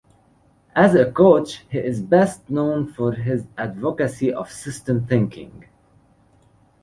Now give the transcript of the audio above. As a coach, he is best known for his advocacy of systems thinking.